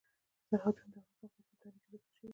سرحدونه د افغانستان په اوږده تاریخ کې ذکر شوی دی.